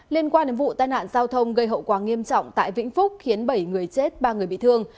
liên quan đến vụ tai nạn giao thông gây hậu quả nghiêm trọng tại vĩnh phúc khiến bảy người chết ba người bị thương